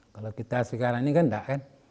kalau kita sekarang ini kan enggak kan